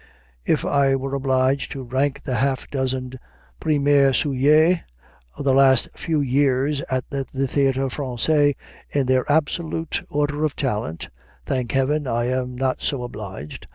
If I were obliged to rank the half dozen premiers sujets of the last few years at the Théâtre Français in their absolute order of talent (thank Heaven, I am not so obliged!)